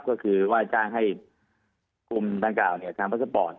ก็คือว่ายจ้างให้คุมนางกล่าวทำพัฒนบอร์ด